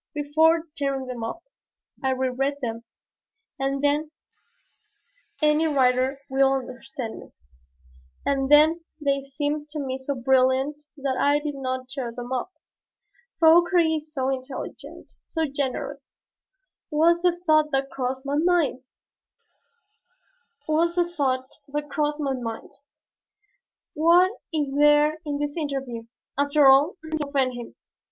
Before tearing them up, I reread them. And then any writer will understand me and then they seemed to me so brilliant that I did not tear them up. Fauchery is so intelligent, so generous, was the thought that crossed my mind. What is there in this interview, after all, to offend him?